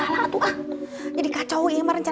assalamualaikum warahmatullahi wabarakatuh